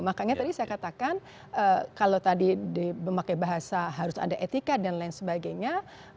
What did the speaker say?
makanya tadi saya katakan kalau tadi memakai bahasa harus ada etika dan lain sebagainya